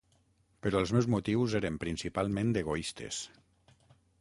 Però els meus motius eren principalment egoistes